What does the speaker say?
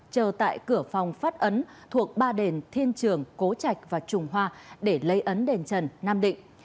chờ tại cửa phòng phát ấn thuộc ba đền thiên trường cố trạch và trùng hoa để lấy ấn đền trần nam định